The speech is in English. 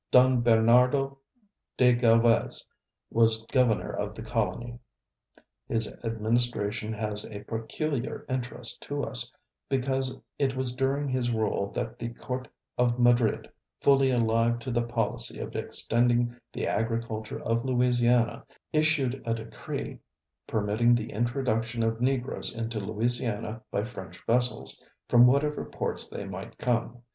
Don Bernardo de Galvez was governor of the colony. His administration has a peculiar interest to us, because it was during his rule that the Court of Madrid, fully alive to the policy of extending the agriculture of Louisiana, issued a decree permitting the introduction of Negroes into Louisiana by French vessels, from whatever ports they might come.